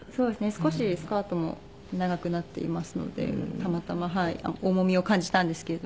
少しスカートも長くなっていますのでたまたま重みを感じたんですけれども。